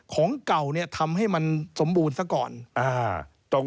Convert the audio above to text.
ของเก่าเนี่ยทำให้มันสมบูรณ์ซะก่อน